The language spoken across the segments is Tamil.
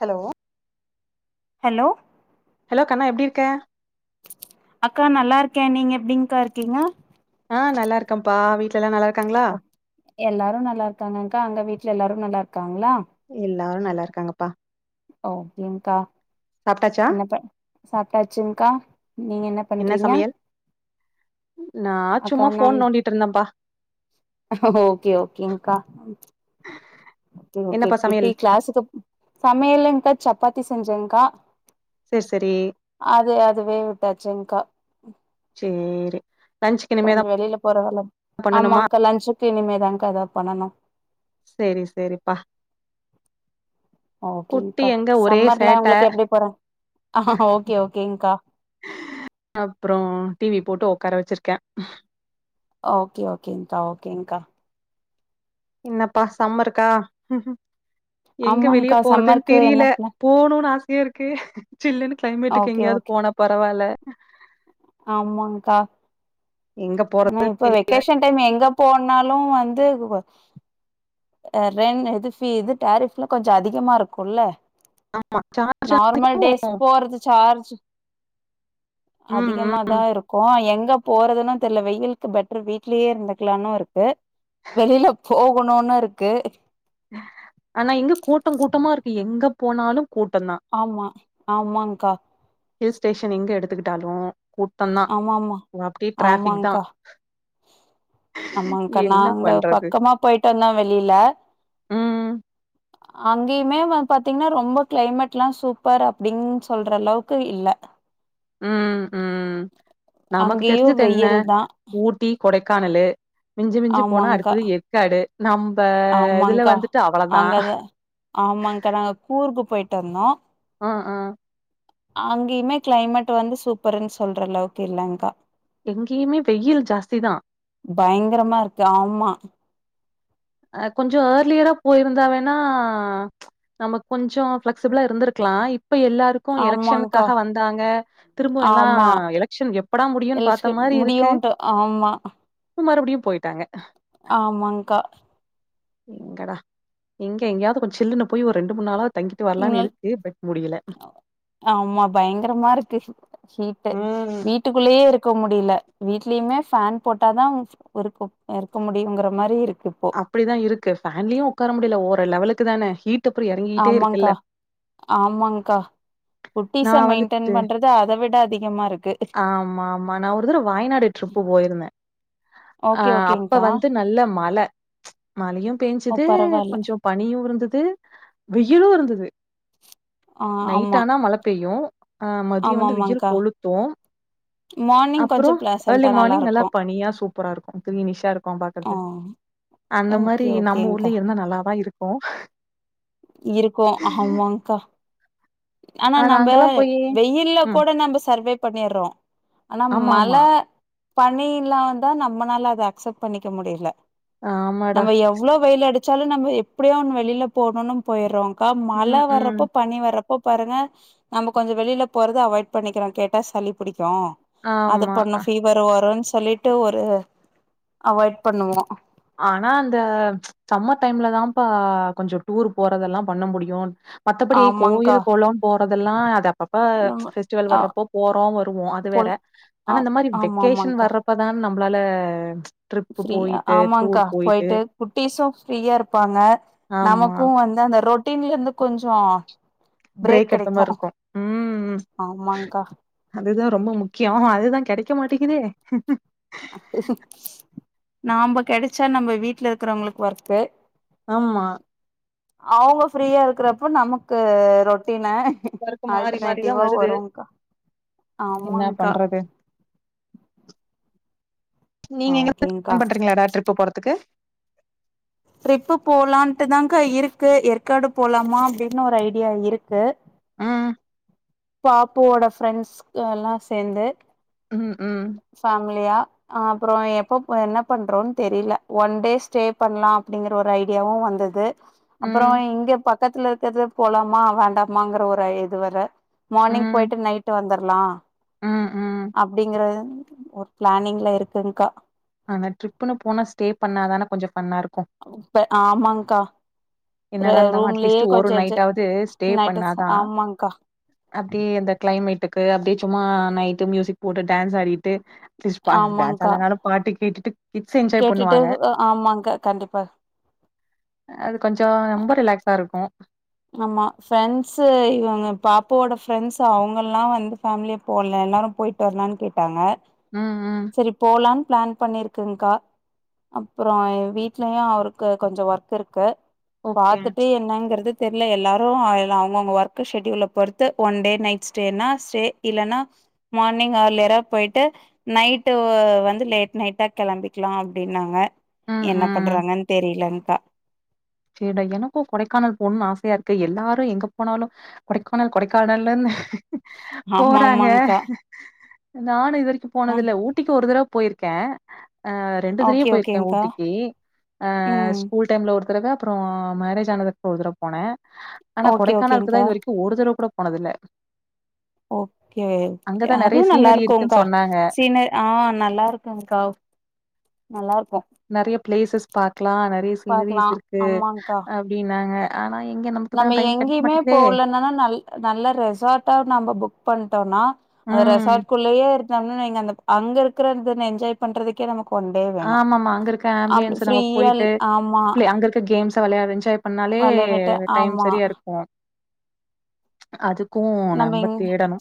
ஹலோ ஹலோ ஹலோ கண்ணா எப்டி இருக்க அக்கா நல்லா இருக்கே நீங்க எப்டிங்க்கா இருக்கீங்க ஆ நல்லா இருக்கே ப்பா வீட்ல எல்லா நல்லா இருக்காங்களா ஒ எல்லாரு நல்லா இருக்காங்கங்கா அங்க வீட்டுல எல்லாரு நல்லா இருக் ங்களா எல்லாரு நல்லா இருக்காங்கப்பா ஓ கேங்கா சாப்ட்டாச்சா என்ன ப சாப்ட்டாச்சுங்கா நீங்க என்ன பண்றீங்க நா அக்கா சும்மா நம் ஃபோன் நோண்டிட்டு இருந்தேன்ப்பா ஓகே ஓகேங்கா ஓகே ஓகே என்னப்பா குட்டி சமையல் க்ளாஸ்ஸுக்கு சமையலுங்கா சப்பா தி செஞ்சேங்கா சேரி சேரி அது அதுவே விட்டாச்சுங்கா சேரி லன்ச்சுக்கு இனிமேதா கொஞ்சோ வெளியில போற வேல பண்ணணுமா ஆமாங்கா லன்ச்சு இனிமே தாங்க ஏதாது பண்ணணு செரி செரிப்பா ஓகேங்க்கா சம்மர்லா சேட்ட உங்களுக்கு எப்படி போறே ஓகே ஓகேங்க்கா அப்றோ டிவி போட்டு உக்கார வச்சிருக்கே ஓகே ஓகேங்கா ஓகேங்க்கா என்னப்பா சம்மருக்கா எங்க வெளிய ஆமாங்க்கா போறதுன் சம்மருக்கு என்ன தெரியில பிளான் போணுன்னு ஆச இருக்கு சில்லுன்னு கிளைமேட்டுக்கு ஓகே எங்கயாவது போனா பரவால்ல ஆமாங்கா எங்க ஆனா போறது இப்ப தெரி வெக்கேஷன் டைம் எங்க போனாலு வந்து ரென் இது ஃபீ இது டாரிஃப்லா கொஞ்சோ அதிகமா இருக்குல்ல நார்மல் டேஸ் போறது சார்ஜ் ம் ம் அதிகமாதா இருக்கு எங்க போறதுன்னா தெர்ல வெயிலுக்கு பெட்டரு வீட்லேயே இருந்துக்கலான்னு இருக்கு வெளியில போகணுன்னு இருக்கு ஆனா எங்க கூட்டங் கூட்டமா இருக்கு எங்க போனாலு கூட்டந்தா ஆமா ஆமாங்கா ஹில் ஸ்டேஷன் எங்க எடுத்துக்கிட்டாலு கூட்டந்தா ஆமாமா அப்டியே டிராஃபிக் தா ஆமாங்க்கா ஆமாங்க்கா என்ன நாங்க பண்றது பக்கமா போய்ட்டு வந்தோ வெளியில ம் அங்கேயுமே வ பாத்தீங்னா ரொம்ப கிளைமேட் எல்லா சூப்பர் அப்படின் சொல்ற அளவுக்கு இல்ல ம் உம் நமக்கு அங்கேயு தெரிஞ்சது என்ன வெயில் தா ஊட்டி கொடை கானலு மிஞ்சி மிஞ்சி போனா ஆமாங்க்கா அடுத்தது ஏற்காடு நம்ம இதுல ஆமாங்க்கா வந்துட்டு அவ்வளவுதான் அங்கதா ப [unintelligible] ஆஹ் ஹா அங்கேயுமே கிளைமேட் வந்து சூப்பருன்னு சொல்ற அளவுக்கு இல்லங்க்கா எங்கேயுமே வெயில் ஜாஸ்தி தான் பயங்கரமா இருக்கு ஆமா அ கொஞ்சம் ஏர்லியரா போயிருந்தாவேன்னா நமக்கு கொஞ்சம் ஃபிளெக்சிபிளா இருந்திருக்கலாம் இப்ப எல்லாருக்கும் ஆமாங்க்கா எலெக்ஷனுக்காக வந்தாங்க திரும்ப எல்லாம் ஆமா எலெக்ஷன் எப்படா முடியும்ன்னு எலச்சு பார்த்த மாதிரி இருக்கு முடியுன்ட்டு ஆமா மறுபடியு போய் ஆமாங்க்கா எங்கடா எங்க எங்கேயாவது கொஞ்ச சில்லுன்னு போய் ஒரு ரெண்டு மூணு நாளா தங்கிட்டு வரலான்னு இருக்கு பட் முடியல ஆமா பயங்கரமா இருக்கு ஹீட்டு ம் வீட்டுக்குள்ளயே இருக்க முடியல வீட்லயுமே ஃபேன் போட்டாதான் இருக்கு இருக்க முடியுங்கிற மாதிரி இருக்கு இப்போ அப்படிதான் இருக்கு ஃபேன்லியும் உட்கார முடியல ஓரு லெவலுக்கு தானே ஹீட் அப்புறோ இறங்கிட்டே ஆமாங்கா இருக்குல்ல ஆமாங்கா குட்டிச நா மெயின்டென் வந்துட்டு பண்றது அத விட அதிகமா இருக்கு ஆமா ஆமா நா ஒருத்தட வயநாடு ட்ரிப்பு போயிருந்தே ஆ ஓகே அப்ப ஓகேங்க்கா வந்து நல்ல மழ மழையு ஓ பேஞ்சது பரவால்ல கொஞ்சோ பனியு இருந்தது வெயிலு இருந்தது ஆ ஆமா நைட்டானா மழ பெய்யு ஆ மதிய ஆமா வந்து வெயில் ஆமாங்க்கா கொளுத்து மார்னிங் கொஞ்சோ அப்புறோ பிளசன்டா ஏர்லி மார்னிங் நல்லா இருக்கு பனியா சூப்பரா இருக்கு கிரினிஷா இருக்கு ஆ பாக்குறதுக்கு அந்த ஓகே மாரி நம்ம ஓகேங்க்கா ஊர்லய இருந்தா நல்லாவ இருக்கு இருக்கு ஆமாங்கா ஆனா நம்ப அங்கலாம் போயி வெயில ம். கூட நம்ப சர்வே பண்ணிறோ ஆனா ஆமாமா. மலை பணி இல்லாந்தா நம்மளால அத அக்செப்ட் பண்ணிக்க முடியல ஆமாடா. நம்ம எவ்ளோ வெயில் அடி சொல்லுங்க தம்பி எப்படியோ ஒன்னு வெளியில போணும்னு போயடுறோம் கா மழ ம், ம். வர்றப்ப பனி வர போ பாருங்க நம்ம கொஞ்சோ வெளில போறது அவாய்ட் பண்ணிக்கிறோ கேட்டா சளி புடிக் கு அது ஆமா. பண்ணு அ ஃபீவர் வருன் சொல்லிட்டு ஒரு அவாய்ட் பண்ணுவோ ஆனா அந்த சம்மர் டைம்ல தாம்ப்பா கொஞ்சோ டூர் போறதெல்லா பண்ண முடியு மத்தபடி ஆமாங்க்கா கோயில் கொளோன்னு போறதெல்லா அது அப்பப்ப நம்ம பெஸ்டிவல் ஆ வர்றப்போ போறோ வருவோ அது வேற போல ஆனா ஆ இந்த மாரி ஆமா வெக்கேஷன் ஆமாங்க்கா வர்றப்பதான நம் நம்ளால டிரிப் போய்ட்டு மாங்கா போய்ட்டு குட்டிஸு ஃப்ரீயா இருப்பாங்க ஆமா. நமக்கு வந்து அந்த ரொ ட்டின்ல இருந்து கொஞ்சோ பிரேக் ப்ரேக் எடுத்த கெடைக்கு மாரி இருக்கு ம் ஆமாங்க்கா அதுதா ரொம்ப முக்கியோ அதுதா கெடைக்க மாட்டேங்குதே நாம்ப கெடைச்சா நம்ம வீட்ல இருக்கறவங்களுக்கு ஒர்க்கு ஆமா அவங்க ஃப்ரீயா இருக்கிறப்போ நமக்கு ரொட்டின் னு எல்லாருக்கும் மாறி மாறி தான் ஆல்டர்னேட்டிவா வருது. வருங்க்கா என்ன ஆமாங்க்கா பண்றது? நீங்க எங்கயாது ஓகேங்க்கா ப்ளான் பண்றீங்களாடா ட்ரிப்பு போறதுக்கு ட்ரிப்பு போலான்ட்டுதாங்க இருக்கு ஏற்காடு போலாமா அப்டின்னு ஒரு ஐடியா இருக்கு ம் பாப்புவோட ஃப்ரெண்ட்ஸ் எல்லா சேந்து ம் ம். ஃபேமிலியா ஆ அப்றோ எப்போ என்ன பண்றோன்தெரில ஒன் டே ஸ்டே பண்லா அப்டிங்கிற ஒரு ஐடியாவு வந்துது அப்றோ ம், இங்க பக்கத்துல இருக்கது போலாமா வேண்டாமாங்ற ஒரு இது வேற மார்னிங் ம், போய்ட்டு நைட்டு வந்துர்லா ம், ம். அப்டிங்கற ஒரு ப்ளானிங்ல இருக்குங்கா ஆனா ட்ரிப்புன்னு போனா ஸ்டே பண்ணா தான கொஞ்சம் ஃபன்னா இருக்கும். இப்ப ஆமாங்க்கா ர என்னதா இருந்தாலு ரூம்லயே அட்லீஸ்ட் ஒரு கொஞ்சோ என்ஜாய் நைட்டாவது ஸ்டே நைட்டு பண்ணாதா ஆமாங்க்கா அப்டியே அந்த கிளைமேட்டுக்கு அப்டியே சும்மா நை ட்டு மியூசிக் போட்டு டான்ஸ் ஆடிட்டு அட்லீஸ்ட் பா டான்ஸ் ஆமாங்க்கா ஆடலனாலு பாட்டு கேட்டுட்டு கிட்ஸ் என்ஜாய் கேட்டுட்டு பண்ணுவாங்க ஆமாங்க கண்டிப்பா அது கொஞ்சோ ரொம்ப ரிலாக்ஸா இரு இருக்கு ஆமா ஃப்ரெண்ட்ஸ்சு இவங்க பாப்பாவோட ஃப்ரெண்ட்ஸ் அவங்கல்லா வந்து ஃபேமிலிய போலே எல்லாரு போயிட்டு வரலானு கேட்டாங்க ம் ம் செரி போலாம் பிளான் பண்ணிருக்குங்கா அப்பற என் வீட்லயு அவருக்கு கொஞ்ச ஒர்க் இருக்கு ஓகே பாத்துட்டு என்னங்கிறது தெரிலே எல்லாரு எல்ல அவங்கவுங்க ஒர்க் ஷெடியூல்ல பொறுத்து ஒன் டே நைட் ஸ்டேனா ஸ்டே இல்லன்னா மார்னிங் ஹேர்லியரா போயிட்டு நைட்டு வந்து லேட் நைட்டா கிளம்பிக்கலா அப்டின்னாங்க ம் என்ன ம் பண்றாங்கன் தெரியல க சேரிடா எனக்கு கொடைக்கானல் போகணு ஆசையா இருக்கு எல்லாரு எங்க போனாலு கொடைக்கானல் கொடைக்கானல்னு ஆமா போறாங்க ஆமாங்க்கா நானு இத க்கு ஆ போனது இல்லே ஊட்டிக்கு ஒரு தர போயிருக்கே ஆ ரெண்டு தரயு ஓகே போயிருக்கே ஓகேங்க்கா ஊட்டிக்கி ஆஹ் ம் ஸ்கூல் டைம்ல ஒருத் [unintelligible] அப்புற மேரேஜ் ஆனதுக்கு ஒருதடவ போனே ஆனா ஓகே கொடைக்கானளுக்கு தா ஓகேங்க்கா இது வரைக்கு ஒருதடவ கூட போனதில்லே ஓகே நெறைய அதுவு நல்லா சீனரி இருக்கு இருக்குன்னு கா சொன்னாங்க சீனரி ஆஹ் நல்லா இருக்கு கா நல்லா இருக்கு இருக்லா நெறைய பாக்கலா சீனரிஸ் இருக் ன்டு ஆமாங்க்கா அப்டின் னாங்க ஆனா எங்க நமக்குதா நம்ம டைம் கெடைக்க எங்கயுமே மாட்டேங்குதே போலனாலு நல் நல்லா ரெசார்ட்டா நம்ம புக் பண்ண ணிடோன அந்த ம் ரெசார்ட்குள்ளயே இருந்தோம் நீங்க அந்த அங்க இருக்கிற இத என்ஜாய் பண்றதுக்கே நமக்கு ஒன் டே வேணு ஆமாமமா அங்க இருக்க அ ஆம்பியன்ஸ் நம்ம ஃப்ரீயா போயிட்டு ஆமா அங்க இருக்க கேம்ஸ் வெள்ளயச்ச பண்ணாலே விளையாண்டுட்டு டைம் ஆமா சரியா இருக்கு அது நம்ம இங்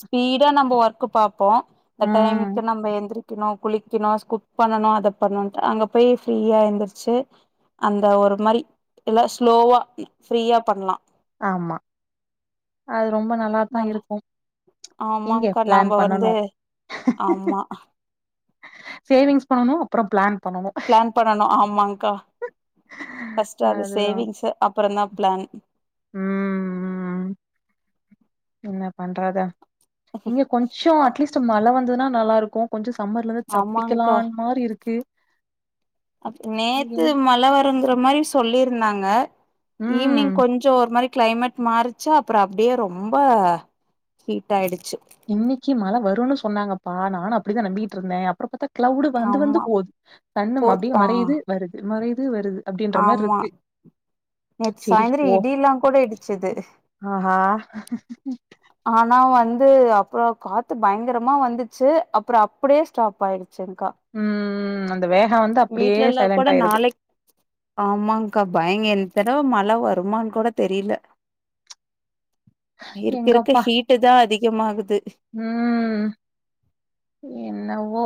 ஸ்பீடா நம்ம ஒர்க் பாப்போ இந்த ம் டைமுக்கு நம்ம எந்திரிக்கணு குளிக்கணு ஸ்கூ பண்ணணு அதை பண்ணன் ட்டு அங்கே போய் ஃப்ரீயா எந்தருச்சு அந்த ஒரு மாரி எல்லா ஸ்லோவா ஃப்ரீயா பண்லா ஆமா அது ரொம்ப நல்லாத்தா நல்லா இருக்கும் இங்கே ஆமாங்க்கா பிளேன் நாம வந்து பண்ணணு ஆமா சேவிங்ஸ் பண்ணனு அப்புற பிளான் பண்ணனு பிளான் பண்ணனு ஆமாங்கா ஃபஸ்ட் அது சேவிங்ஸ் அப்புறதா பிளான் உம் உம் என்ன பண்றது இங்க கொஞ்சோ அட்லீஸ்ட் மழ வந்தது நா நல்லாருக்கு கொஞ்சோ சம்மர்ல இருந்து ஆமாங்கா தப்பிக்கலான் மாரி இருக்கு அ நேத்து ம் மழ வரங்கிற மாரி சொல்லிருக் சொன்னாங்க ம் ஈவினிங் கொஞ்சோ ஒரு மாரி கிளைமேட் மாறிச்சா அப்புற அப்டியே ரொம்ப ஹீட் ஆயிடுச் இன்னிக்கி மழ வருனு சொன்னாங்கப்பா நானு அப்டிதா நம்பிட்ருந்தே அப்பற பாத்தா கிளவுடு வந்து வந்து ஆமா போது சன்னும் போ அப்படியே ஆ மறையுது வருது மறையுது வருது அப்பிடின்ற மாரி ஆமா இருக்கு நேத்து செரி சாயந்தர போ இடியெல்லாக்கூட இடிச்சது ஆஹா ஆனா வந்து வந்து அப்றோ காத்து பயங்கரமா வந்துச்சு அப்பற அப்பிடியே ஸ்டாப் ஆயிடுச்சு செரிங்க்கா ம் அந்த வேகோ வந்து அப்டியே வீட்லலா கூட சைலண்ட் ஆயிருது நாளைக் ஆமாங்க்கா பயங்க என் தடவ மழ வருமான்னு கூட தெரியில எங்கப்பா அதிகமாகுது உம் என்னவோ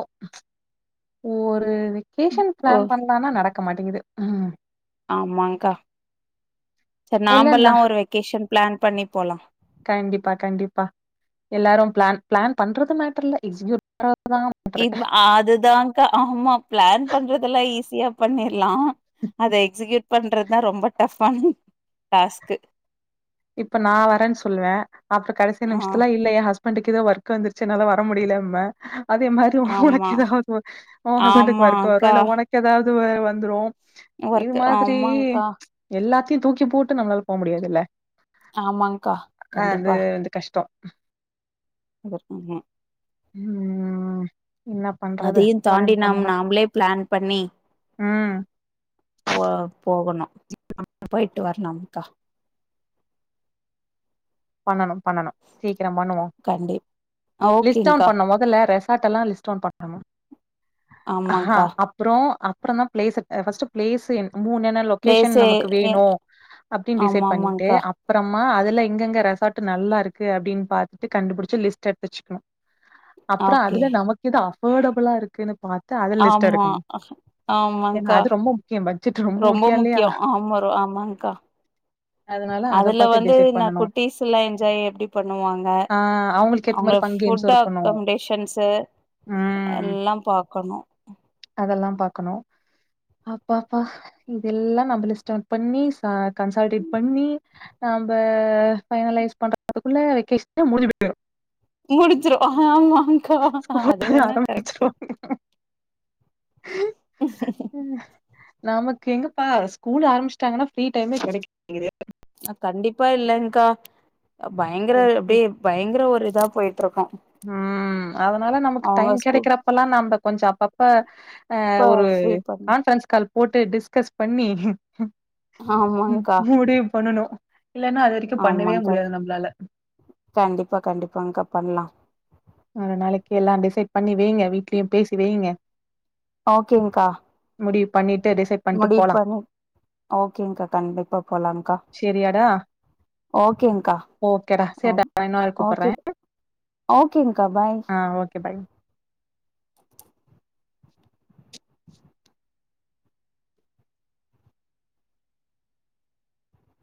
ஒரு வெக் கேஷன் ஓ பிளான் பண்ணலாம்னா நடக் க்க மாட்டேங்கிது உம் ஆமாங்க்கா சர் இல்லன்னா நாமல்லாமக்ஷ ஒரு வெகேஷன் பிளான் பண்ணி போலா கண்டிப்பா கண்டிப்பா எல்லாரும் பிளான் பிளான் பண்றது மேட்டர்ல்ல எக்ஸ்கியூட் [inaudible] பண் இது அதுதாங்கா ஆமா பிளான் பண்றதெல்லா ஈசி ஃபிரீயா பண்ணிர்லா அத எக்ஸிக்யூட் பண்றது தா ரொம்ப டஃபான டாஸ்க்கு இப்ப நா வரன்னு சொல்வே அப்புற கடைசி ஆ நிமிஷத்துலா இல்ல என் ஹஸ் பண்டுக்கு ஏதோ ஒர்க் வந்துருச்சு என்னால வர முடியலன்ப அதே மாரி உனக்கு ஆமா ஏதாவது ஒர்க் ஒன் ஹஸ்பண்டுக்கு ஒர்க் வரு ஆமாக்கா இல்ல உனக்கு ஏதாவது [unintelligible] வந்துரும் இது ஒர்க் மாதிரி ஆமாங்க்கா ச் எல்லா தியும் தூக்கி போட்டு நம்ளால போவ முடியாதுல்ல ஆமாங்க்கா அது வந்து கஷ்டோ அதற்குமா உம் அதயும் தாண்டி நம் நாமளே பிளான் பண்ணி ம். போ போகணும் போய்ட்டு வர்ணம்க்கா பண்ணணும் பண்ணணும் சீக்கிரம் பண்ணுவோம் கண்டி லிஸ்ட்வுன் ஓகேங்க்கா பண்ணு மொதல ரெஸ் ரெசார்டல்லா லிஸ்டோன் பண்ணனும் ஆமாங்க்கா அப்புறோ அப் அப்பறந்தான் ப்ளேச ஃபஸ்டு ப்ளேசின் மூணு என்ன லொக்கேஷன் பிளேஸு நமக்கு எ வேணும் அப்டின் டிசைட் ஆமா பண்ணிட்டு ஆமாங்க்கா அப்றம் மா அதுல எங்கங்க ரசார்ட்டு நல்லா இருக்கு அப்டின் பாத்துட்டு கண்டுபுடுச்சு லிஸ்ட் எடுத்து வச்சுக்கணும் அப்புறோ ஓகே அதுல நமக் எது அப் பர்டபுளா இருக்குனு பாத்து அத லிஸ்ட் ஆமா எடுக்கனும் ஏன்னா அது ரொம்ப முக்கியம் பட் ரொம்போ முக்கியம் ஆம்மாரு ஆம்மாங்கா அதனால அத பாத்து டிசைட் பண்ணனும் டீஸ் எல்லாம் என்ஜாய் எப்டி பண்ணுவாங்க ஆ அவங்களுக்கு ஏத்த அவ்ங்க மாரி ஃபன் கேம்ஸும் ஃபுட் இருக்கணும். அக்கம்டேஷன்ஸு ம். எல்லாம் பாக்கணும் அதெல்லாம் பாக்கணும் அப்பாப்பா இதெல்லா நம்ப லிஸ்ட் அவ்ட் பண்ணி சா கன்சால்டேட் பண்ணி நாம்ப ஃபைனலைஸ் பண்றதுக்குள்ள வெக்கேஷனே முடிஞ்சி போய்டும் முடிச்சிரும் ஹா ஆம்மா ங்க்கா அது ஸ்கூல் வேணா கரெக்டு நமக் கெங்கப்பா ஸ்கூலு ஆரம்பிஸ்ட்டாங்கன்னா ஃப்ரீ டைமே கெடைக்க மாட்டேங்குது அஹ் கண்டிப்பா இல்லங்க்கா பயங்கர அப்டியே பயங்கர ஒரு இதா போயிட்ருக்கும் உம் அதுனால நமக்கு டைம் ஸ்கூல் கெடைக்கெறப்பெல்லாம் நம்ப கொஞ்ச அப்பப் ப ஆஹ் இப்ப ஒரு ஃப்ரீ பண்ணி கான்ஃப்ரென்ஸ் கால் போட்டு டிஸ்கஸ் பண்ணி மூடிவ் பண்ணணும் இல்லன்னா அதுவரைக்கும் பண்ணவே ஆமாங்கா முடியாது நம்பளால. கண்டிப்பா கண்டிப்பாங்கா பண்ணலாம் ஒரு நாளைக்கு எல்லா டிசைட் பண்ணி வெய்ங்க வீட்லயும் பேசி வெய்ங்க ஓகேங்க்கா முடிவு பண்ணி முடிவு பண்ணி ஓகேங்கா கண்டிப்பா போலாம்கா செரியாடா ஓகேங்கா ஓகேடா அ சேர்டா இன்னொரு ஓகே ஓகேங்க ஆஹ் ஓகே பை